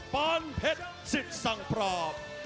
ปานเพชรสิสังปราบ